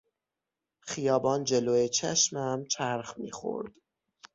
خیابان جلو چشمم چرخ میخورد.